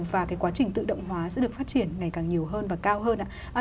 và cái quá trình tự động hóa sẽ được phát triển ngày càng nhiều hơn và cao hơn ạ